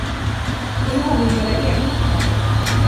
Och nu har vi våra egna krav.